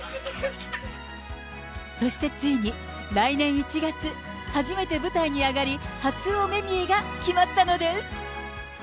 そしてついに、来年１月、初めて舞台に上がり、初お目見えが決まったのです。